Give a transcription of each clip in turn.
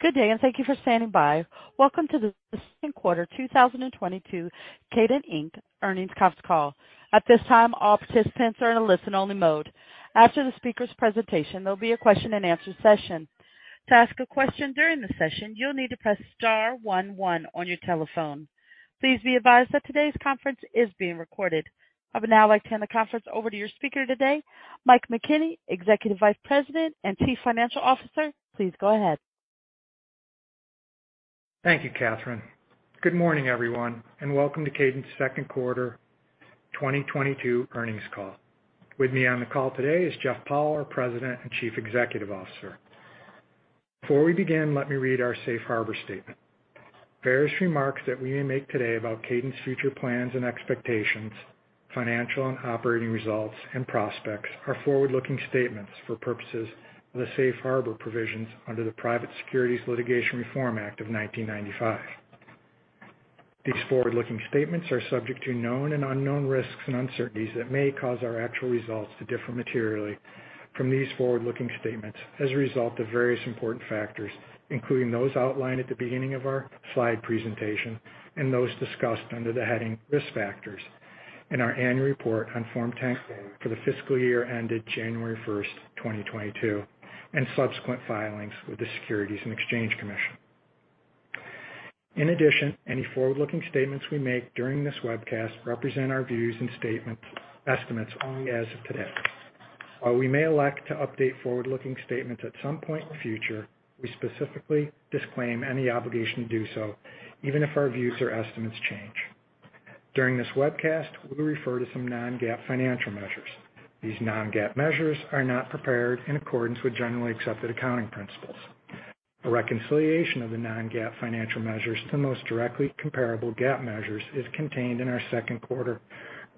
Good day, and thank you for standing by. Welcome to the Q2 2022 Kadant Inc. Earnings Conference Call. At this time, all participants are in a listen-only mode. After the speaker's presentation, there'll be a question-and-answer session. To ask a question during the session, you'll need to press star one one on your telephone. Please be advised that today's conference is being recorded. I would now like to hand the conference over to your speaker today, Mike McKenney, Executive Vice President and Chief Financial Officer. Please go ahead. Thank you, Catherine. Good morning, everyone, and welcome to Kadant's Q2 2022 earnings call. With me on the call today is Jeff Powell, our President and Chief Executive Officer. Before we begin, let me read our safe harbor statement. Various remarks that we may make today about Kadant's future plans and expectations, financial and operating results and prospects are forward-looking statements for purposes of the safe harbor provisions under the Private Securities Litigation Reform Act of 1995. These forward-looking statements are subject to known and unknown risks and uncertainties that may cause our actual results to differ materially from these forward-looking statements as a result of various important factors, including those outlined at the beginning of our slide presentation and those discussed under the heading Risk Factors in our annual report on Form 10-K for the fiscal year ended January 1, 2022, and subsequent filings with the Securities and Exchange Commission. In addition, any forward-looking statements we make during this webcast represent our views and statement estimates only as of today. While we may elect to update forward-looking statements at some point in the future, we specifically disclaim any obligation to do so even if our views or estimates change. During this webcast, we'll refer to some non-GAAP financial measures. These non-GAAP measures are not prepared in accordance with generally accepted accounting principles. A reconciliation of the non-GAAP financial measures to the most directly comparable GAAP measures is contained in our Q2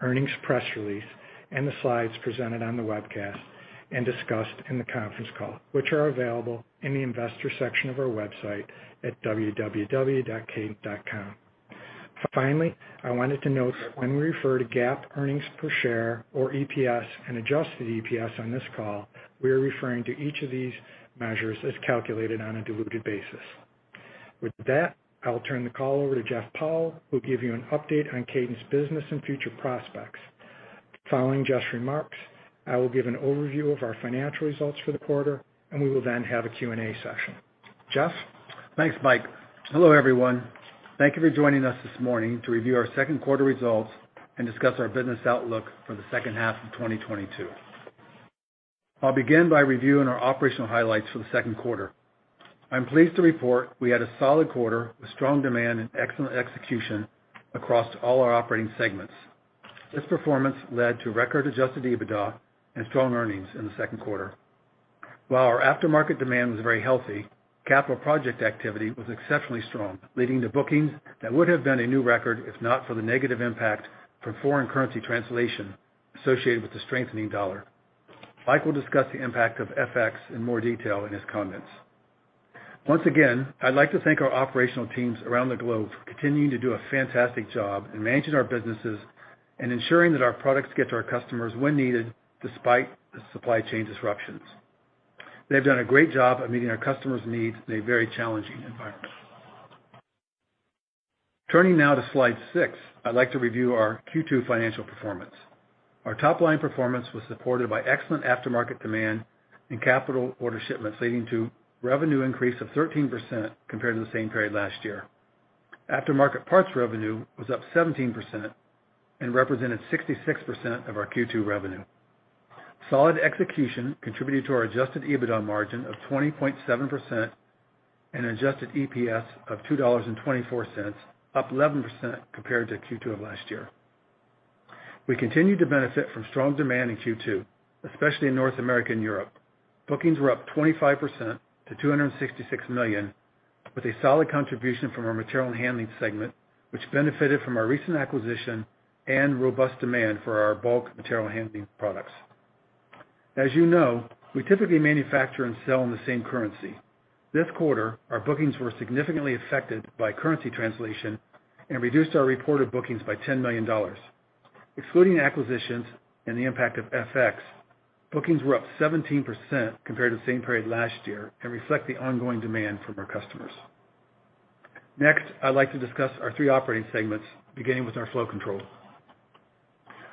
earnings press release and the slides presented on the webcast and discussed in the conference call, which are available in the Investors section of our website at www.kadant.com. Finally, I wanted to note that when we refer to GAAP earnings per share or EPS and adjusted EPS on this call, we are referring to each of these measures as calculated on a diluted basis. With that, I'll turn the call over to Jeff Powell, who'll give you an update on Kadant's business and future prospects. Following Jeff's remarks, I will give an overview of our financial results for the quarter, and we will then have a Q&A session. Jeff? Thanks, Mike. Hello, everyone. Thank you for joining us this morning to review our Q2 results and discuss our business outlook for the second half of 2022. I'll begin by reviewing our operational highlights for the Q2. I'm pleased to report we had a solid quarter with strong demand and excellent execution across all our operating segments. This performance led to record-adjusted EBITDA and strong earnings in the Q2. While our aftermarket demand was very healthy, capital project activity was exceptionally strong, leading to bookings that would have been a new record if not for the negative impact from foreign currency translation associated with the strengthening dollar. Mike will discuss the impact of FX in more detail in his comments. Once again, I'd like to thank our operational teams around the globe for continuing to do a fantastic job in managing our businesses and ensuring that our products get to our customers when needed despite the supply chain disruptions. They've done a great job of meeting our customers' needs in a very challenging environment. Turning now to slide 6, I'd like to review our Q2 financial performance. Our top-line performance was supported by excellent aftermarket demand and capital order shipments, leading to revenue increase of 13% compared to the same period last year. Aftermarket parts revenue was up 17% and represented 66% of our Q2 revenue. Solid execution contributed to our adjusted EBITDA margin of 20.7% and adjusted EPS of $2.24, up 11% compared to Q2 of last year. We continued to benefit from strong demand in Q2, especially in North America and Europe. Bookings were up 25% to $266 million, with a solid contribution from our Material Handling segment, which benefited from our recent acquisition and robust demand for our bulk material handling products. As you know, we typically manufacture and sell in the same currency. This quarter, our bookings were significantly affected by currency translation and reduced our reported bookings by $10 million. Excluding acquisitions and the impact of FX, bookings were up 17% compared to the same period last year and reflect the ongoing demand from our customers. Next, I'd like to discuss our three operating segments, beginning with our Flow Control.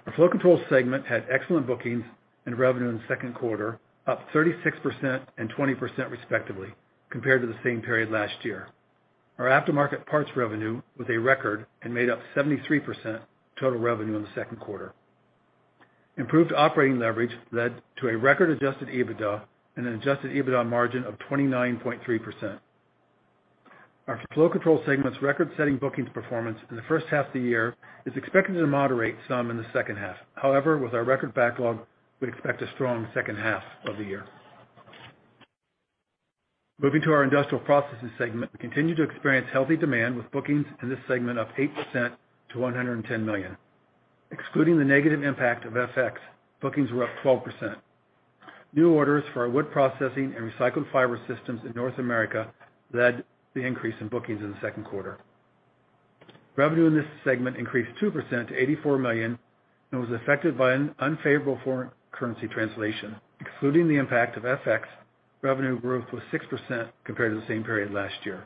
Our Flow Control segment had excellent bookings and revenue in the Q2, up 36% and 20% respectively, compared to the same period last year. Our aftermarket parts revenue was a record and made up 73% of total revenue in the Q2. Improved operating leverage led to a record-adjusted EBITDA and an adjusted EBITDA margin of 29.3%. Our Flow Control segment's record-setting bookings performance in the first half of the year is expected to moderate some in the second half. However, with our record backlog, we expect a strong second half of the year. Moving to our Industrial Processing segment. We continue to experience healthy demand, with bookings in this segment up 8% to $110 million. Excluding the negative impact of FX, bookings were up 12%. New orders for our wood processing and recycled fiber systems in North America led the increase in bookings in the Q2. Revenue in this segment increased 2% to $84 million and was affected by an unfavorable foreign currency translation. Excluding the impact of FX, revenue growth was 6% compared to the same period last year.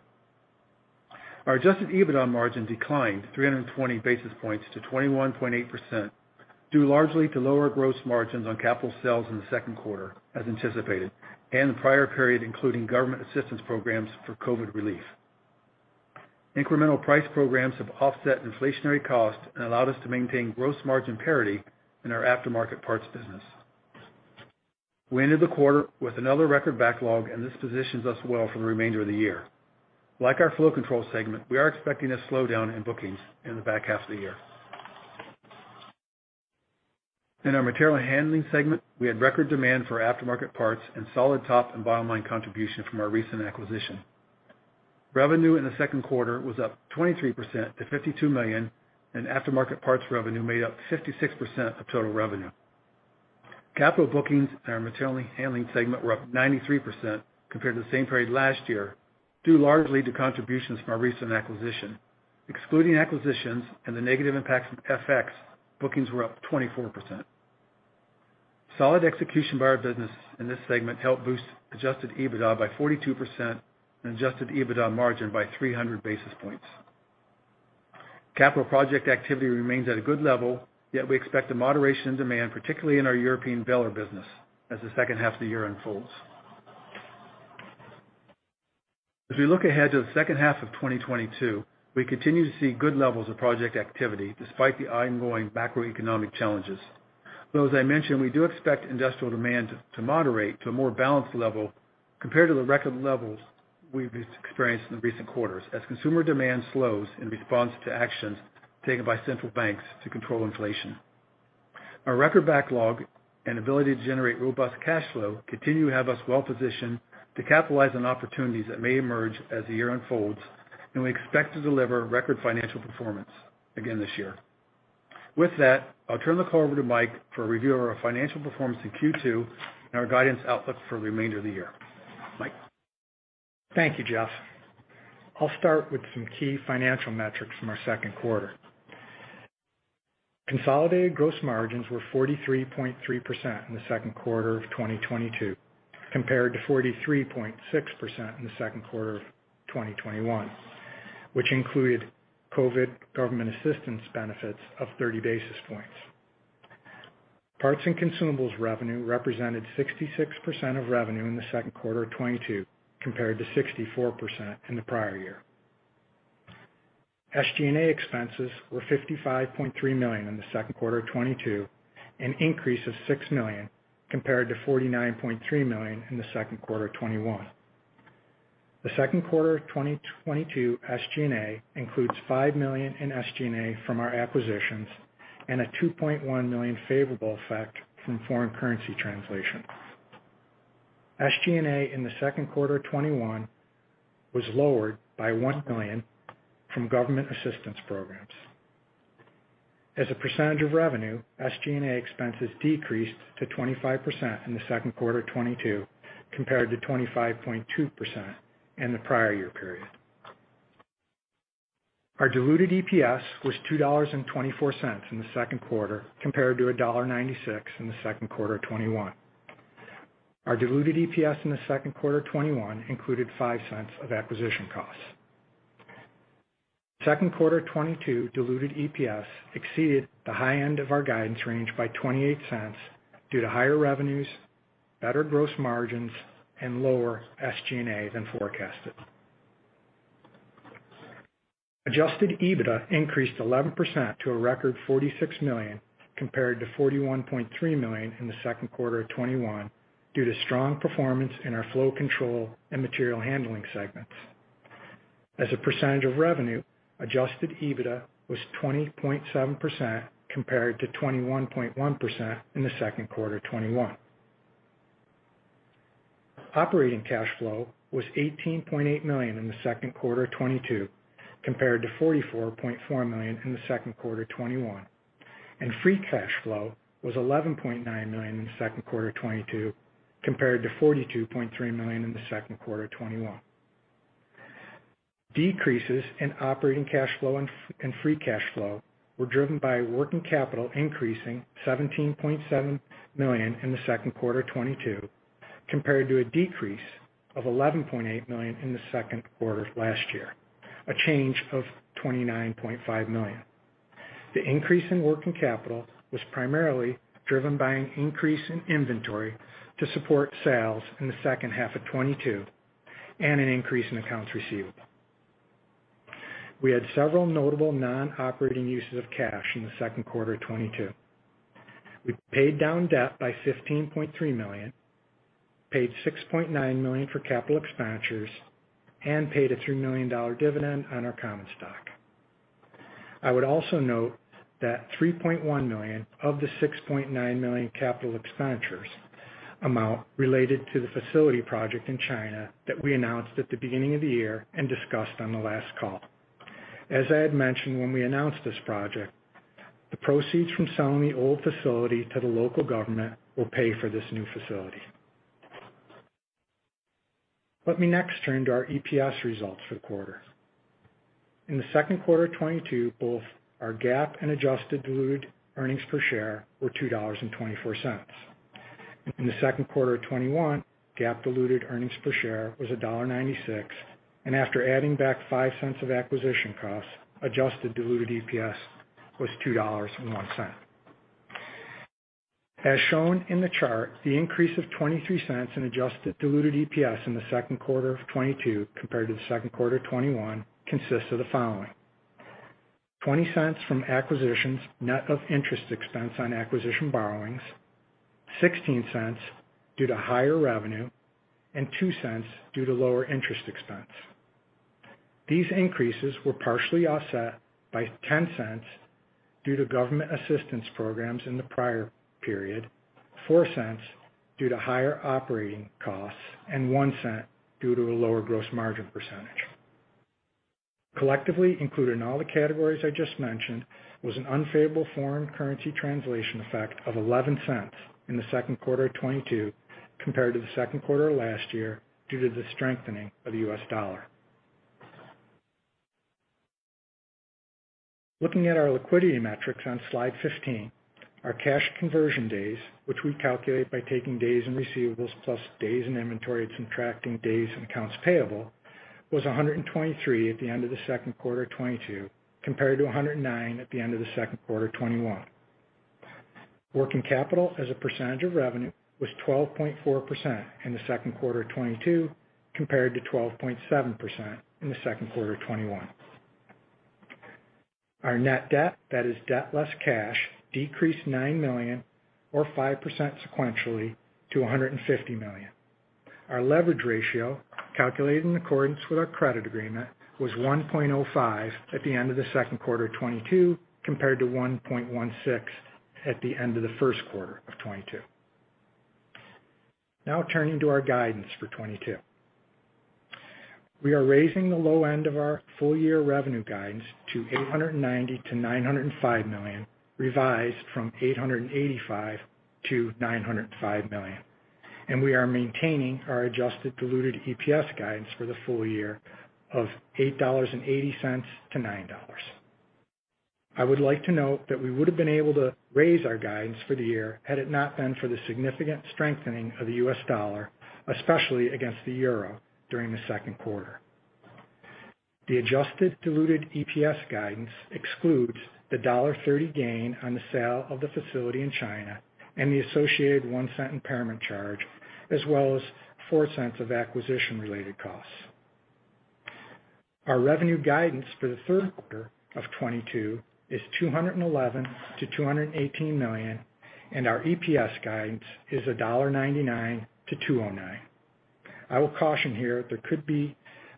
Our adjusted EBITDA margin declined 320 basis points to 21.8% due largely to lower gross margins on capital sales in the Q2 as anticipated, and the prior period, including government assistance programs for COVID relief. Incremental price programs have offset inflationary costs and allowed us to maintain gross margin parity in our aftermarket parts business. We ended the quarter with another record backlog, and this positions us well for the remainder of the year. Like our Flow Control segment, we are expecting a slowdown in bookings in the back half of the year. In our Material Handling segment, we had record demand for aftermarket parts and solid top and bottom-line contribution from our recent acquisition. Revenue in the Q2 was up 23% to $52 million, and aftermarket parts revenue made up 56% of total revenue. Capital bookings in our Material Handling segment were up 93% compared to the same period last year, due largely to contributions from our recent acquisition. Excluding acquisitions and the negative impacts from FX, bookings were up 24%. Solid execution by our business in this segment helped boost adjusted EBITDA by 42% and adjusted EBITDA margin by 300 basis points. Capital project activity remains at a good level, yet we expect a moderation in demand, particularly in our European baler business as the second half of the year unfolds. As we look ahead to the second half of 2022, we continue to see good levels of project activity despite the ongoing macroeconomic challenges. Though as I mentioned, we do expect industrial demand to moderate to a more balanced level compared to the record levels we've experienced in recent quarters as consumer demand slows in response to actions taken by central banks to control inflation. Our record backlog and ability to generate robust cash flow continue to have us well positioned to capitalize on opportunities that may emerge as the year unfolds, and we expect to deliver record financial performance again this year. With that, I'll turn the call over to Mike for a review of our financial performance in Q2 and our guidance outlook for the remainder of the year. Mike. Thank you, Jeff. I'll start with some key financial metrics from our Q2. Consolidated gross margins were 43.3% in the Q2 of 2022, compared to 43.6% in the Q2 of 2021, which included COVID government assistance benefits of 30 basis points. Parts and consumables revenue represented 66% of revenue in the Q2 of 2022, compared to 64% in the prior year. SG&A expenses were $55.3 million in the Q2 of 2022, an increase of $6 million compared to $49.3 million in the Q2 of 2021. The Q2 of 2022 SG&A includes $5 million in SG&A from our acquisitions and a $2.1 million favorable effect from foreign currency translation. SG&A in the Q2 of 2021 was lowered by $1 million from government assistance programs. As a percentage of revenue, SG&A expenses decreased to 25% in the Q2 of 2022, compared to 25.2% in the prior year period. Our diluted EPS was $2.24 in the Q2, compared to $1.96 in the Q2 of 2021. Our diluted EPS in the Q2 of 2021 included $0.05 of acquisition costs. Q2 of 2022 diluted EPS exceeded the high end of our guidance range by $0.28 due to higher revenues, better gross margins, and lower SG&A than forecasted. Adjusted EBITDA increased 11% to a record $46 million, compared to $41.3 million in the Q2 of 2021, due to strong performance in our Flow Control and Material Handling segments. As a percentage of revenue, adjusted EBITDA was 20.7% compared to 21.1% in the Q2 of 2021. Operating cash flow was $18.8 million in the Q2 of 2022 compared to $44.4 million in the Q2 of 2021. Free cash flow was $11.9 million in the Q2 of 2022 compared to $42.3 million in the Q2 of 2021. Decreases in operating cash flow and free cash flow were driven by working capital increasing $17.7 million in the Q2 of 2022 compared to a decrease of $11.8 million in the Q2 last year, a change of $29.5 million. The increase in working capital was primarily driven by an increase in inventory to support sales in the second half of 2022 and an increase in accounts receivable. We had several notable non-operating uses of cash in the Q2 of 2022. We paid down debt by $15.3 million, paid $6.9 million for capital expenditures, and paid a $3 million dividend on our common stock. I would also note that $3.1 million of the $6.9 million capital expenditures amount related to the facility project in China that we announced at the beginning of the year and discussed on the last call. As I had mentioned when we announced this project, the proceeds from selling the old facility to the local government will pay for this new facility. Let me next turn to our EPS results for the quarter. In the Q2 of 2022, both our GAAP and adjusted diluted earnings per share were $2.24. In the Q2 of 2021, GAAP diluted earnings per share was $1.96, and after adding back $0.05 of acquisition costs, adjusted diluted EPS was $2.01. As shown in the chart, the increase of $0.23 in adjusted diluted EPS in the Q2 of 2022 compared to the Q2 of 2021 consists of the following. $0.20 from acquisitions net of interest expense on acquisition borrowings, $0.16 due to higher revenue, and $0.02 due to lower interest expense. These increases were partially offset by $0.10 due to government assistance programs in the prior period, $0.04 due to higher operating costs, and $0.01 due to a lower gross margin percentage. Collectively, including all the categories I just mentioned, was an unfavorable foreign currency translation effect of $0.11 in the Q2 of 2022 compared to the Q2 of last year due to the strengthening of the US dollar. Looking at our liquidity metrics on slide 15, our cash conversion days, which we calculate by taking days in receivables plus days in inventory and subtracting days in accounts payable, was 123 at the end of the Q2 of 2022, compared to 109 at the end of the Q2 of 2021. Working capital as a percentage of revenue was 12.4% in the Q2 of 2022, compared to 12.7% in the Q2 of 2021. Our net debt, that is debt less cash, decreased $9 million or 5% sequentially to $150 million. Our leverage ratio, calculated in accordance with our credit agreement, was 1.05 at the end of the Q2 of 2022, compared to 1.16 at the end of the Q1 of 2022. Now turning to our guidance for 2022. We are raising the low end of our full-year revenue guidance to $890-$905 million, revised from $885-$905 million, and we are maintaining our adjusted diluted EPS guidance for the full year of $8.80-$9.00. I would like to note that we would have been able to raise our guidance for the year had it not been for the significant strengthening of the US dollar, especially against the euro during the Q2. The adjusted diluted EPS guidance excludes the $1.30 gain on the sale of the facility in China and the associated $0.01 impairment charge, as well as $0.04 of acquisition-related costs. Our revenue guidance for the Q3 of 2022 is $211 million-$218 million, and our EPS guidance is $1.99-$2.09. I will caution here there could be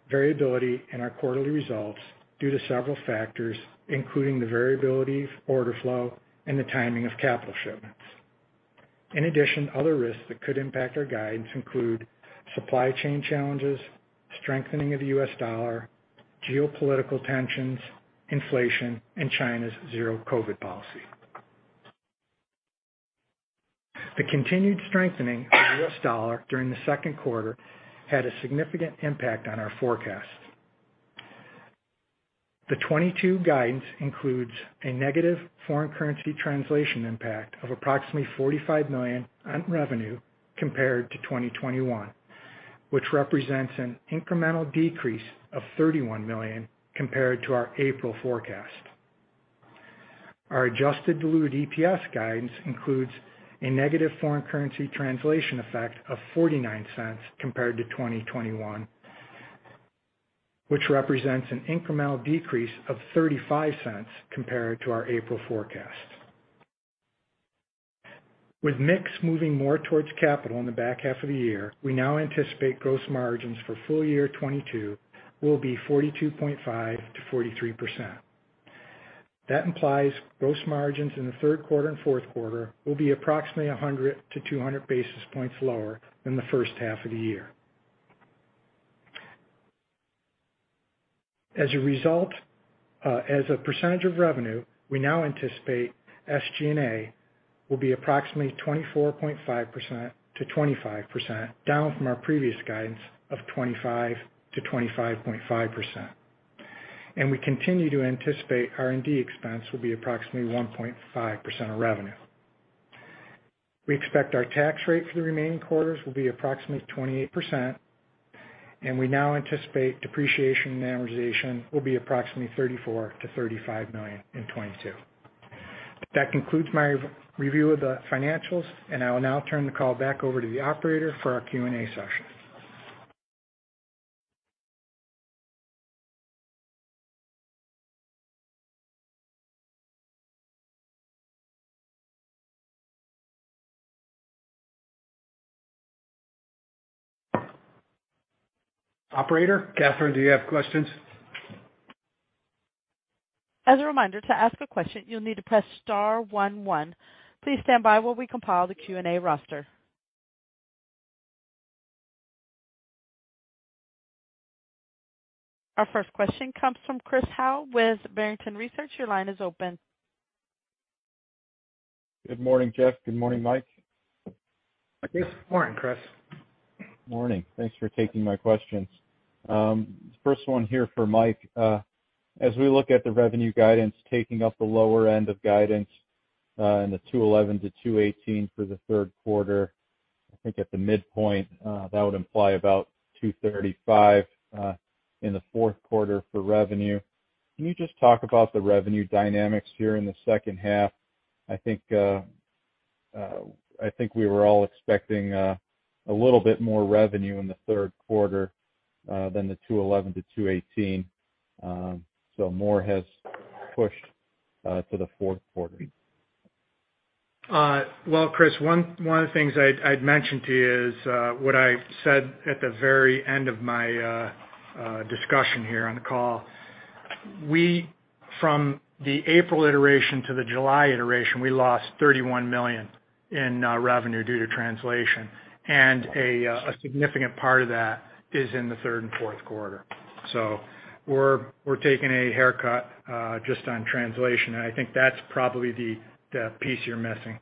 variability in our quarterly results due to several factors, including the variability of order flow and the timing of capital shipments. In addition, other risks that could impact our guidance include supply chain challenges, strengthening of the US dollar, geopolitical tensions, inflation, and China's zero COVID policy. The continued strengthening of the US dollar during the Q2 had a significant impact on our forecast. The 2022 guidance includes a negative foreign currency translation impact of approximately $45 million on revenue compared to 2021, which represents an incremental decrease of $31 million compared to our April forecast. Our adjusted diluted EPS guidance includes a negative foreign currency translation effect of $0.49 compared to 2021, which represents an incremental decrease of $0.35 compared to our April forecast. With mix moving more towards capital in the back half of the year, we now anticipate gross margins for full year 2022 will be 42.5%-43%. That implies gross margins in the Q3 and Q4 will be approximately 100-200 basis points lower than the first half of the year. As a result, as a percentage of revenue, we now anticipate SG&A will be approximately 24.5%-25%, down from our previous guidance of 25%-25.5%. We continue to anticipate R&D expense will be approximately 1.5% of revenue. We expect our tax rate for the remaining quarters will be approximately 28%, and we now anticipate depreciation and amortization will be approximately $34 million-$35 million in 2022. That concludes my review of the financials, and I will now turn the call back over to the operator for our Q&A session. Operator, Catherine, do you have questions? As a reminder, to ask a question, you'll need to press Star 1 1. Please stand by while we compile the Q&A roster. Our first question comes from Chris Howe with Barrington Research. Your line is open. Good morning, Jeff. Good morning, Mike. Good morning, Chris. Morning. Thanks for taking my questions. First one here for Mike. As we look at the revenue guidance taking up the lower end of guidance, in the $211-$218 for the Q3, I think at the midpoint, that would imply about $235, in the Q4 for revenue. Can you just talk about the revenue dynamics here in the second half? I think we were all expecting a little bit more revenue in the Q3 than the $211-$218. More has pushed to the Q4. Well, Chris, one of the things I'd mention to you is what I said at the very end of my discussion here on the call. From the April iteration to the July iteration, we lost $31 million in revenue due to translation. A significant part of that is in the Q3 and Q4. We're taking a haircut just on translation, and I think that's probably the piece you're missing.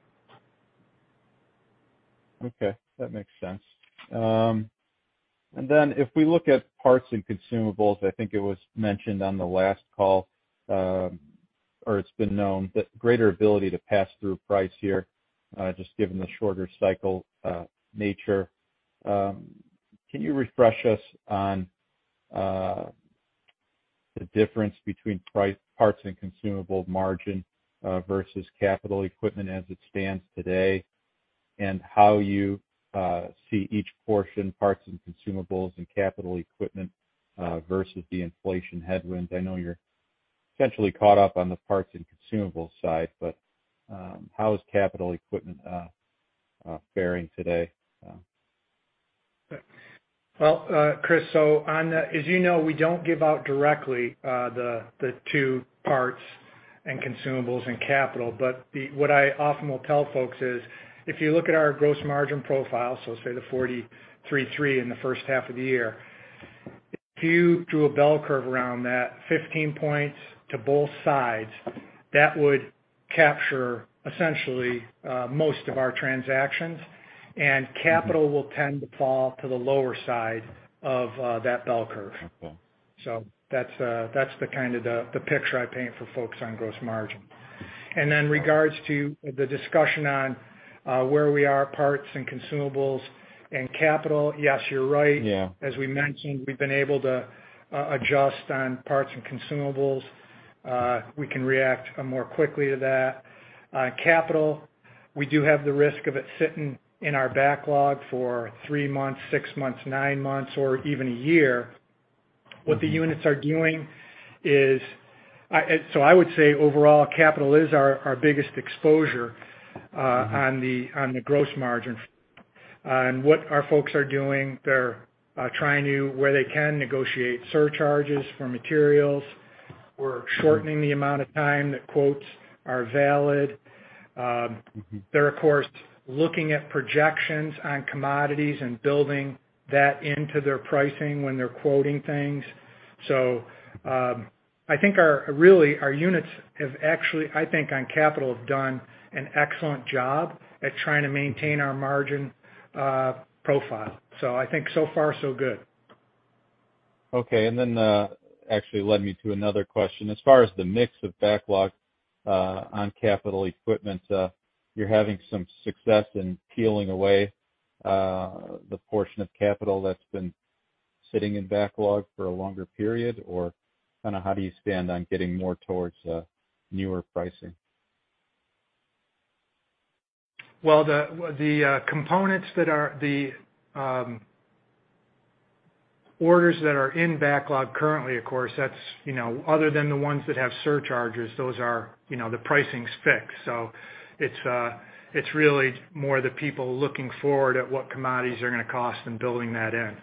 Okay. That makes sense. If we look at parts and consumables, I think it was mentioned on the last call, or it's been known that greater ability to pass through price here, just given the shorter cycle nature. Can you refresh us on the difference between parts and consumables margin versus capital equipment as it stands today? How you see each portion, parts and consumables and capital equipment versus the inflation headwinds? I know you're essentially caught up on the parts and consumables side, but how is capital equipment faring today? Well, Chris, on that, as you know, we don't give out directly the two parts and consumables and capital. What I often will tell folks is, if you look at our gross margin profile, say the 43.3 in the first half of the year. If you drew a bell curve around that, 15 points to both sides, that would capture essentially most of our transactions. Capital will tend to fall to the lower side of that bell curve. Okay. That's the kind of picture I paint for folks on gross margin. Then regards to the discussion on where we are, parts and consumables and capital, yes, you're right. Yeah. As we mentioned, we've been able to adjust on parts and consumables. We can react more quickly to that. Capital, we do have the risk of it sitting in our backlog for 3 months, 6 months, 9 months, or even a year. What the units are doing is, I would say overall capital is our biggest exposure on the gross margin. What our folks are doing, they're trying to, where they can, negotiate surcharges for materials. We're shortening the amount of time that quotes are valid. They're of course looking at projections on commodities and building that into their pricing when they're quoting things. I think our units have actually, I think on capital, have done an excellent job at trying to maintain our margin profile.I think so far so good. Okay. Actually led me to another question. As far as the mix of backlog, on capital equipment, you're having some success in peeling away, the portion of capital that's been sitting in backlog for a longer period, or kinda how do you stand on getting more towards, newer pricing? Well, the components that are the orders that are in backlog currently, of course, that's, you know, other than the ones that have surcharges, those are, you know, the pricing's fixed. It's really more the people looking forward at what commodities are gonna cost and building that in.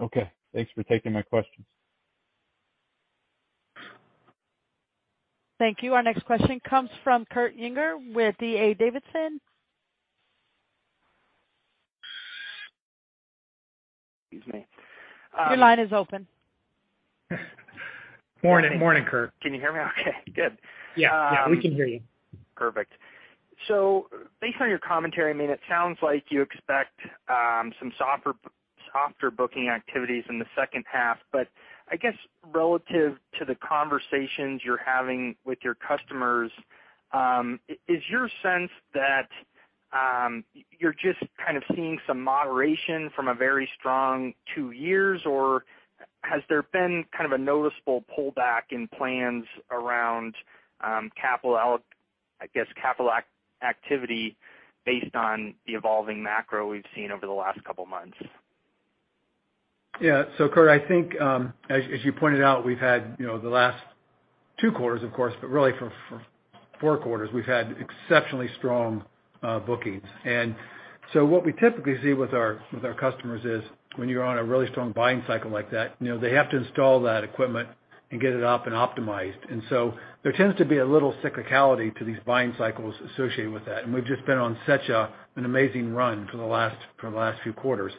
Okay. Thanks for taking my questions. Thank you. Our next question comes from Kurt Yinger with D.A. Davidson. Excuse me. Your line is open. Morning, Kurt. Can you hear me? Okay. Good. Yeah. Yeah, we can hear you. Perfect. Based on your commentary, I mean, it sounds like you expect some softer booking activities in the second half. I guess relative to the conversations you're having with your customers, is your sense that you're just kind of seeing some moderation from a very strong two years, or has there been kind of a noticeable pullback in plans around capital activity based on the evolving macro we've seen over the last couple months? Yeah, Kurt, I think, as you pointed out, we've had, you know, the last two quarters, of course, but really for four quarters, we've had exceptionally strong bookings. What we typically see with our customers is when you're on a really strong buying cycle like that, you know, they have to install that equipment. Get it up and optimized. There tends to be a little cyclicality to these buying cycles associated with that. We've just been on such an amazing run for the last few quarters.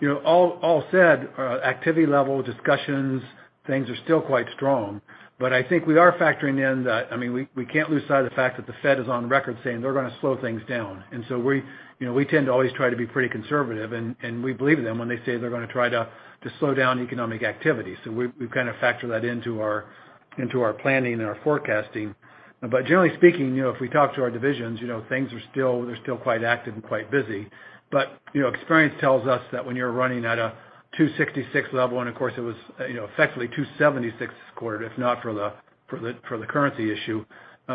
You know, all said, activity level discussions, things are still quite strong. I think we are factoring in that. I mean, we can't lose sight of the fact that the Fed is on record saying they're gonna slow things down. We, you know, we tend to always try to be pretty conservative, and we believe them when they say they're gonna try to slow down economic activity. We've kind of factored that into our planning and our forecasting. Generally speaking, you know, if we talk to our divisions, you know, things are still, they're still quite active and quite busy. You know, experience tells us that when you're running at a $266 level, and of course it was, you know, effectively $276 this quarter, if not for the currency issue,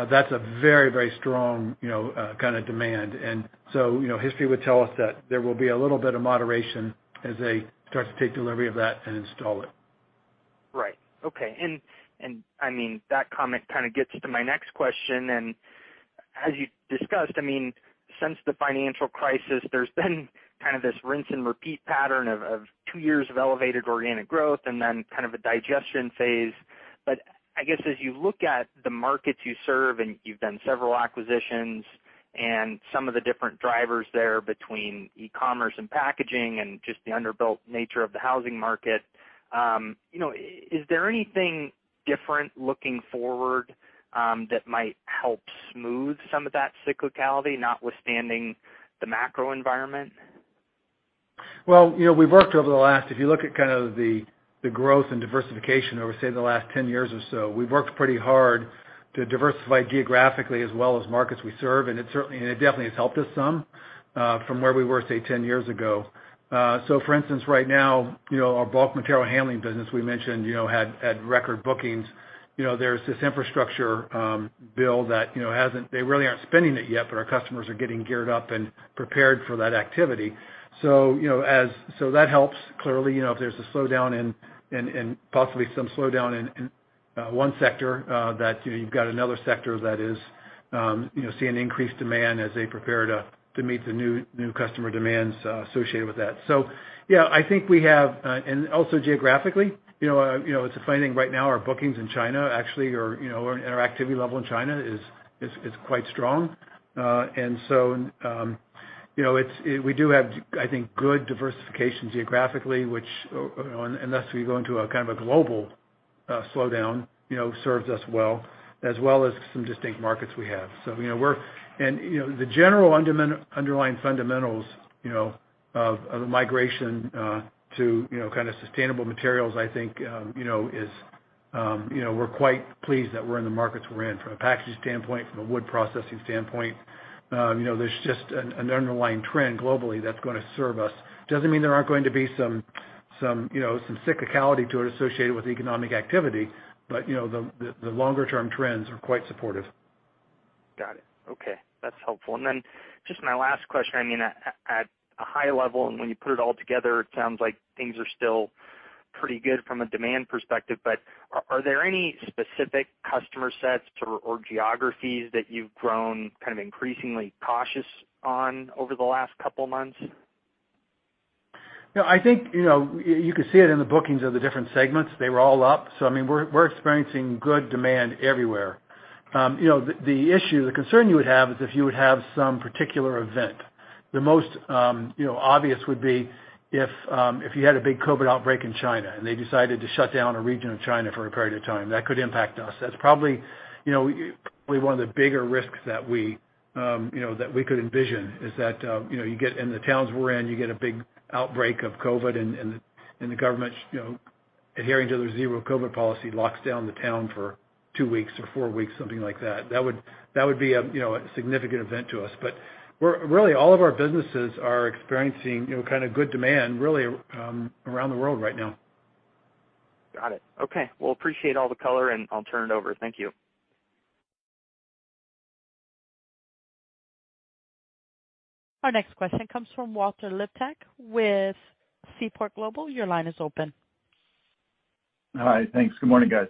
that's a very, very strong, you know, kind of demand. You know, history would tell us that there will be a little bit of moderation as they start to take delivery of that and install it. Right. Okay. I mean, that comment kind of gets to my next question. As you discussed, I mean, since the financial crisis, there's been kind of this rinse and repeat pattern of two years of elevated organic growth and then kind of a digestion phase. I guess as you look at the markets you serve, and you've done several acquisitions and some of the different drivers there between e-commerce and packaging and just the underbuilt nature of the housing market, you know, is there anything different looking forward, that might help smooth some of that cyclicality, notwithstanding the macro environment? Well, you know, if you look at kind of the growth and diversification over, say, the last 10 years or so, we've worked pretty hard to diversify geographically as well as markets we serve. It certainly and definitely has helped us some from where we were, say, 10 years ago. For instance, right now, you know, our bulk material handling business we mentioned, you know, had record bookings. You know, there's this infrastructure bill that, you know, they really aren't spending it yet, but our customers are getting geared up and prepared for that activity. That helps clearly, you know, if there's a slowdown, possibly some slowdown in one sector, that, you know, you've got another sector that is, you know, seeing increased demand as they prepare to meet the new customer demands associated with that. Yeah, I think we have. Also geographically, you know, you know, we're finding right now our bookings in China actually are and our activity level in China is quite strong. We do have, I think, good diversification geographically, which, you know, unless we go into a kind of a global slowdown, you know, serves us well, as well as some distinct markets we have. We're You know, the general underlying fundamentals, you know, of a migration to you know kind of sustainable materials, I think, you know, is you know we're quite pleased that we're in the markets we're in from a packaging standpoint, from a wood processing standpoint. You know, there's just an underlying trend globally that's gonna serve us. Doesn't mean there aren't going to be some you know some cyclicality to it associated with economic activity. You know, the longer term trends are quite supportive. Got it. Okay. That's helpful. Just my last question. I mean, at a high level, and when you put it all together, it sounds like things are still pretty good from a demand perspective. Are there any specific customer sets or geographies that you've grown kind of increasingly cautious on over the last couple months? You know, I think, you know, you could see it in the bookings of the different segments. They were all up. I mean, we're experiencing good demand everywhere. You know, the issue, the concern you would have is if you would have some particular event. The most, you know, obvious would be if you had a big COVID outbreak in China, and they decided to shut down a region of China for a period of time. That could impact us. That's probably, you know, probably one of the bigger risks that we, you know, that we could envision, is that, you know, you get in the towns we're in, you get a big outbreak of COVID and the government, you know, adhering to the zero-COVID policy, locks down the town for two weeks or four weeks, something like that. That would be a, you know, a significant event to us. Really all of our businesses are experiencing, you know, kind of good demand really, around the world right now. Got it. Okay. Well, appreciate all the color, and I'll turn it over. Thank you. Our next question comes from Walter Liptak with Seaport Global. Your line is open. Hi. Thanks. Good morning, guys.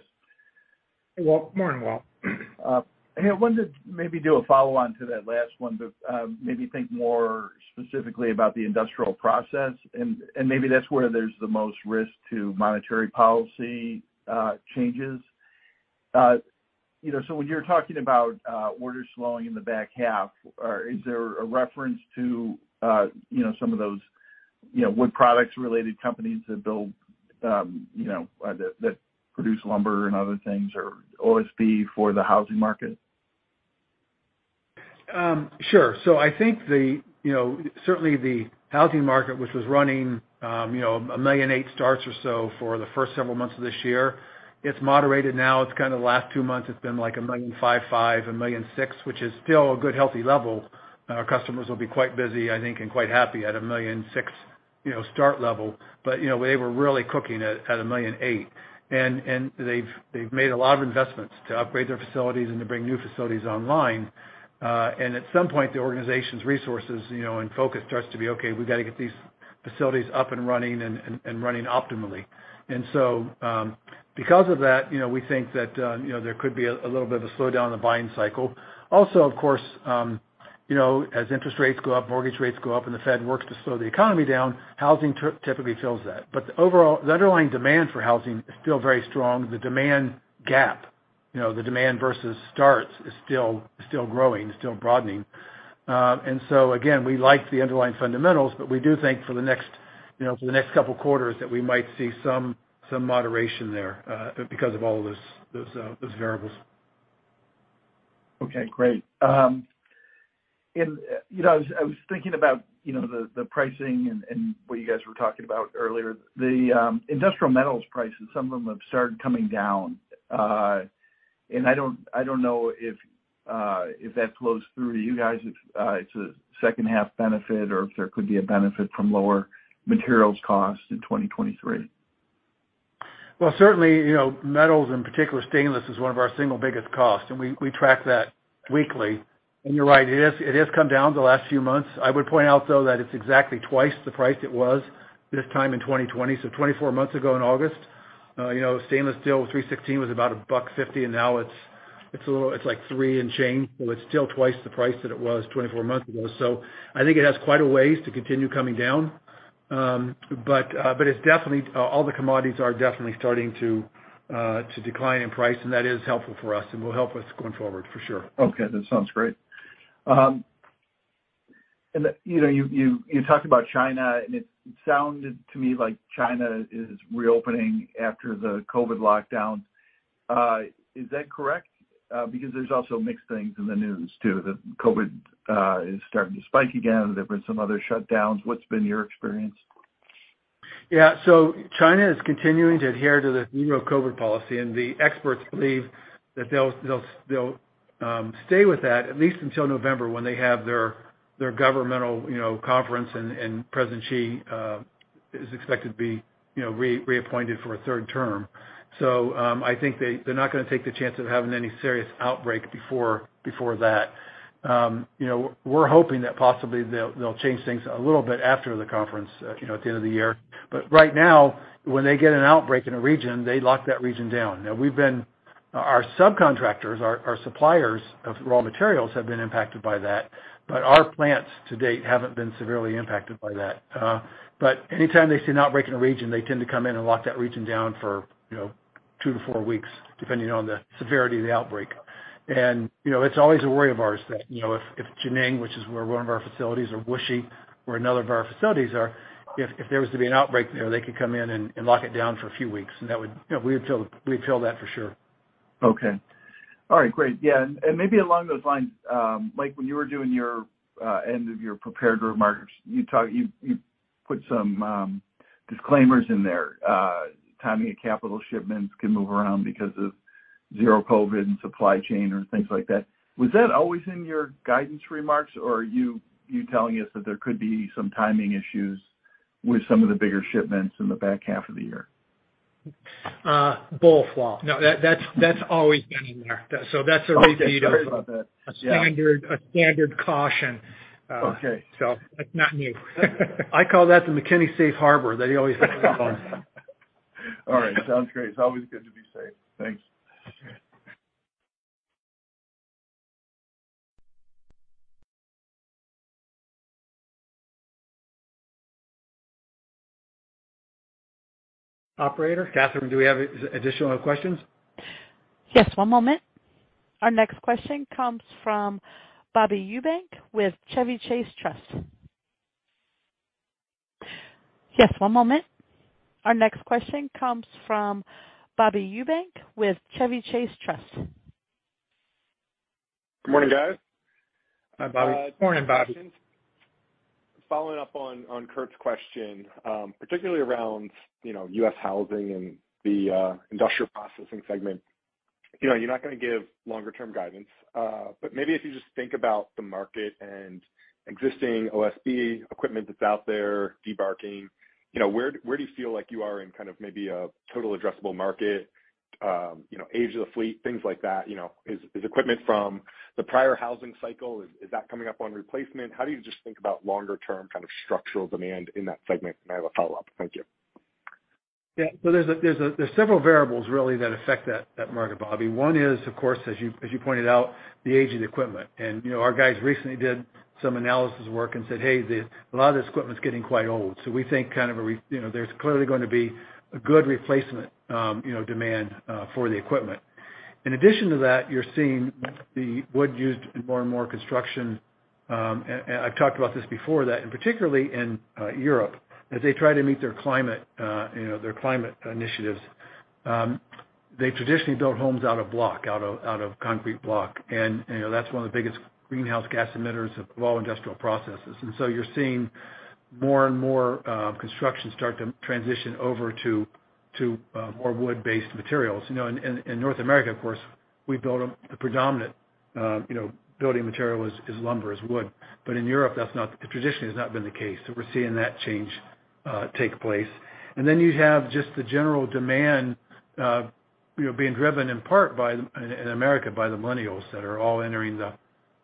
Hey, Walter. Morning, Walter. I wanted to maybe do a follow-on to that last one, but maybe think more specifically about the Industrial Processing and maybe that's where there's the most risk to monetary policy changes. You know, when you're talking about orders slowing in the back half, is there a reference to you know, some of those you know, wood products related companies that produce lumber and other things or OSB for the housing market? Sure. I think the, you know, certainly the housing market, which was running, you know, 1.8 million starts or so for the first several months of this year, it's moderated now. It's kinda the last two months, it's been like 1.55 million, 1.6 million, which is still a good, healthy level. Our customers will be quite busy, I think, and quite happy at 1.6 million, you know, start level. They were really cooking at 1.8 million. They've made a lot of investments to upgrade their facilities and to bring new facilities online. At some point, the organization's resources, you know, and focus starts to be okay. We've got to get these facilities up and running and running optimally. Because of that, you know, we think that, you know, there could be a little bit of a slowdown in the buying cycle. Also, of course, you know, as interest rates go up, mortgage rates go up, and the Fed works to slow the economy down, housing typically fills that. The overall underlying demand for housing is still very strong. The demand gap, you know, the demand versus starts is still growing, still broadening. Again, we like the underlying fundamentals, but we do think for the next, you know, for the next couple quarters that we might see some moderation there, because of all of those variables. Okay, great. You know, I was thinking about, you know, the pricing and what you guys were talking about earlier. The industrial metals prices, some of them have started coming down. I don't know if that flows through to you guys, if it's a second half benefit or if there could be a benefit from lower materials costs in 2023. Well, certainly, you know, metals, in particular stainless, is one of our single biggest costs, and we track that weekly. You're right, it has come down the last few months. I would point out, though, that it's exactly twice the price it was this time in 2020. Twenty-four months ago in August, you know, stainless steel 316 was about $1.50, and now it's a little, it's like $3 and change. It's still twice the price that it was 24 months ago. I think it has quite a ways to continue coming down. But it's definitely, all the commodities are definitely starting to decline in price, and that is helpful for us and will help us going forward for sure. Okay. That sounds great. You know, you talked about China, and it sounded to me like China is reopening after the COVID lockdown. Is that correct? Because there's also mixed things in the news, too, that COVID is starting to spike again. There have been some other shutdowns. What's been your experience? Yeah. China is continuing to adhere to the zero-COVID policy, and the experts believe that they'll stay with that at least until November, when they have their governmental, you know, conference, and Xi Jinping is expected to be, you know, reappointed for a third term. I think they're not gonna take the chance of having any serious outbreak before that. You know, we're hoping that possibly they'll change things a little bit after the conference, you know, at the end of the year. Right now, when they get an outbreak in a region, they lock that region down. Now, our subcontractors, our suppliers of raw materials have been impacted by that. Our plants to date haven't been severely impacted by that. Anytime they see an outbreak in a region, they tend to come in and lock that region down for, you know, 2-4 weeks, depending on the severity of the outbreak. You know, it's always a worry of ours that, you know, if Jining, which is where one of our facilities, or Wuxi, where another of our facilities are, if there was to be an outbreak there, they could come in and lock it down for a few weeks. That would, you know, we'd feel that for sure. Okay. All right. Great. Yeah. Maybe along those lines, Mike, when you were doing your end of your prepared remarks, you put some disclaimers in there. Timing of capital shipments can move around because of zero COVID and supply chain or things like that. Was that always in your guidance remarks, or are you telling us that there could be some timing issues with some of the bigger shipments in the back half of the year? Both, Walter. No, that's always been in there. That's a repeat of. Okay, great. A standard caution. Okay. It's not new. I call that the McKenney safe harbor, that he always puts in. All right. Sounds great. It's always good to be safe. Thanks. Operator. Catherine, do we have additional questions? Yes, one moment. Our next question comes from Bobby Eubank with Chevy Chase Trust. Good morning, guys. Hi, Bobby. Morning, Bobby. Following up on Kurt's question, particularly around, you know, U.S. housing and the Industrial Processing segment. You know, you're not gonna give longer term guidance, but maybe if you just think about the market and existing OSB equipment that's out there, debarking, you know, where do you feel like you are in kind of maybe a total addressable market? You know, age of the fleet, things like that. You know, is equipment from the prior housing cycle, is that coming up on replacement? How do you just think about longer term kind of structural demand in that segment? I have a follow-up. Thank you. Yeah. There's several variables really that affect that market, Bobby. One is, of course, as you pointed out, the aging equipment. You know, our guys recently did some analysis work and said, "Hey, a lot of this equipment's getting quite old." We think, you know, there's clearly gonna be a good replacement demand for the equipment. In addition to that, you're seeing the wood used in more and more construction. I've talked about this before, that particularly in Europe, as they try to meet their climate, you know, their climate initiatives, they traditionally built homes out of concrete block. You know, that's one of the biggest greenhouse gas emitters of all industrial processes. You're seeing more and more construction start to transition over to more wood-based materials. You know, in North America, of course, the predominant building material is lumber, wood. In Europe, traditionally has not been the case. We're seeing that change take place. You have just the general demand, you know, being driven in part by the millennials in America that are all entering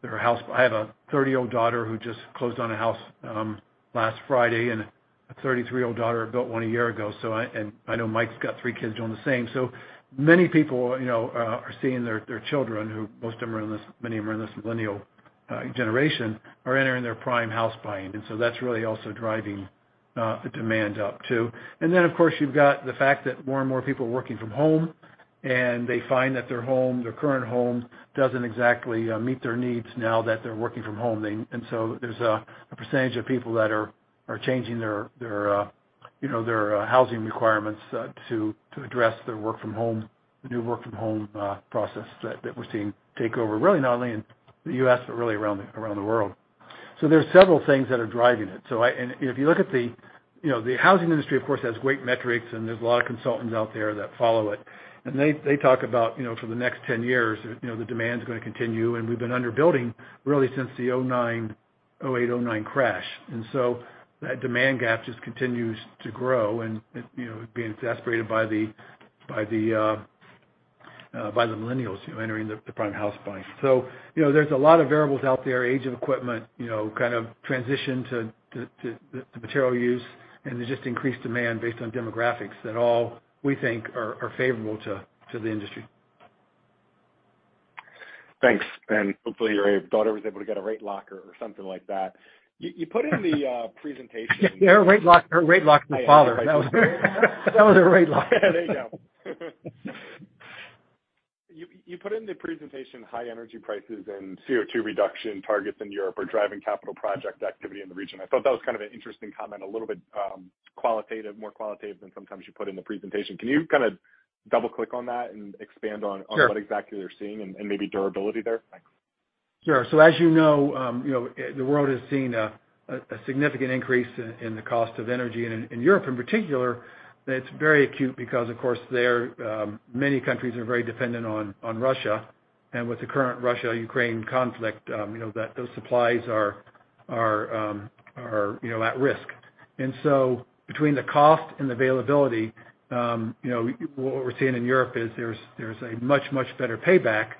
their house. I have a 30-year-old daughter who just closed on a house last Friday. A 33-year-old daughter built one a year ago. I know Mike's got three kids doing the same. Many people, you know, are seeing their children, who many of them are in this millennial generation, are entering their prime house buying. That's really also driving the demand up too. Then, of course, you've got the fact that more and more people are working from home, and they find that their home, their current home doesn't exactly meet their needs now that they're working from home. There's a percentage of people that are changing their housing requirements to address their work from home, the new work from home process that we're seeing take over, really not only in the US but really around the world. There's several things that are driving it. If you look at the housing industry, of course, has great metrics, and there's a lot of consultants out there that follow it. They talk about, you know, for the next 10 years, you know, the demand's gonna continue, and we've been underbuilding really since the 2009, 2008, 2009 crash. That demand gap just continues to grow. You know, being exacerbated by the millennials, you know, entering the prime house buying. You know, there's a lot of variables out there, age of equipment, you know, kind of transition to material use, and there's just increased demand based on demographics that all we think are favorable to the industry. Thanks. Hopefully your daughter was able to get a rate lock or something like that. You put in the presentation. Yeah. Her rate lock is the father. I hear. That was her rate lock. You put in the presentation, high energy prices and CO2 reduction targets in Europe are driving capital project activity in the region. I thought that was kind of an interesting comment, a little bit, qualitative, more qualitative than sometimes you put in the presentation. Can you kinda double-click on that and expand on that. Sure On what exactly they're seeing and maybe durability there? Thanks. Sure. As you know, the world has seen a significant increase in the cost of energy. In Europe in particular, that's very acute because, of course, there many countries are very dependent on Russia. With the current Russia-Ukraine conflict, you know, that those supplies are at risk. Between the cost and availability, you know, what we're seeing in Europe is there's a much better payback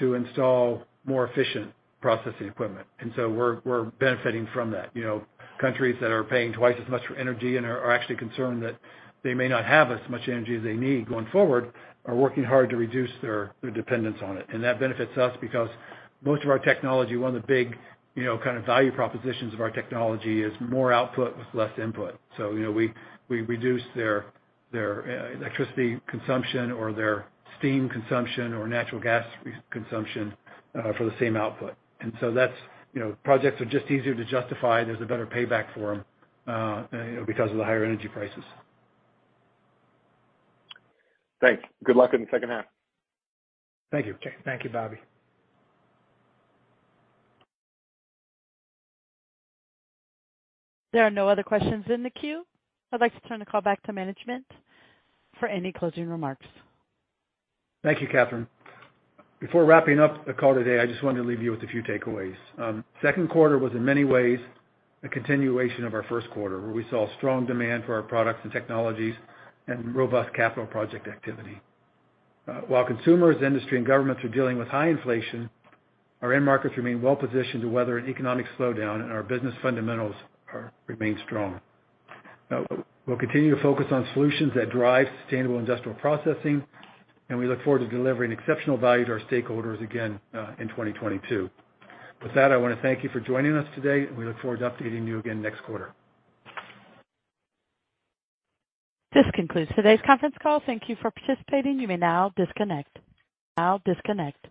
to install more efficient processing equipment. We're benefiting from that. You know, countries that are paying twice as much for energy and are actually concerned that they may not have as much energy as they need going forward are working hard to reduce their dependence on it. That benefits us because most of our technology, one of the big, you know, kind of value propositions of our technology is more output with less input. You know, we reduce their electricity consumption or their steam consumption or natural gas consumption for the same output. That's, you know, projects are just easier to justify. There's a better payback for them, you know, because of the higher energy prices. Thanks. Good luck in the second half. Thank you. Okay. Thank you, Bobby. There are no other questions in the queue. I'd like to turn the call back to management for any closing remarks. Thank you, Catherine. Before wrapping up the call today, I just wanted to leave you with a few takeaways. Q2 was in many ways a continuation of our Q1, where we saw strong demand for our products and technologies and robust capital project activity. While consumers, industry and governments are dealing with high inflation, our end markets remain well positioned to weather an economic slowdown, and our business fundamentals remain strong. We'll continue to focus on solutions that drive sustainable Industrial Processing, and we look forward to delivering exceptional value to our stakeholders again in 2022. With that, I wanna thank you for joining us today, and we look forward to updating you again next quarter. This concludes today's conference call. Thank you for participating. You may now disconnect. Now disconnect.